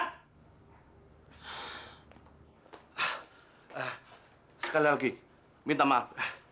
ah sekali lagi minta maaf